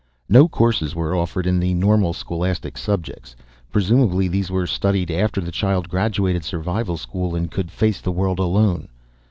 No courses were offered in the normal scholastic subjects. Presumably these were studied after the child graduated survival school and could face the world alone.